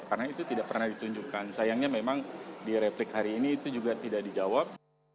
karena itu tidak pernah ditunjukkan sayangnya memang di replik hari ini itu juga tidak dijawab